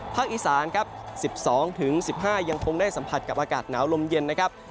อีสานครับ๑๒๑๕ยังคงได้สัมผัสกับอากาศหนาวลมเย็นนะครับ